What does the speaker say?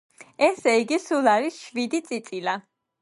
ესე იგი, სულ არის შვიდი წიწილა.